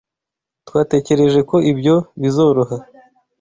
Twatekereje ko ibyo bizoroha.